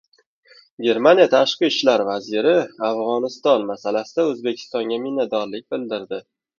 Germaniya tashqi ishlar vaziri Afg‘oniston masalasida O‘zbekistonga minnatdorlik bildirdi